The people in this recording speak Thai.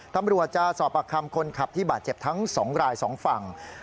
ตำรวจจะสอบปากคำคนขับที่บาดเจ็บทั้ง๒ราย๒ฝั่ง